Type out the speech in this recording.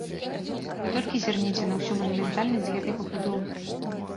Вы толькі зірніце на ўсю манументальнасць гэтай пабудовы.